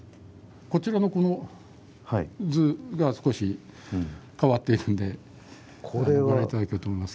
こちらのこの図が少し変わっているんでご覧頂けたらと思いますけれども。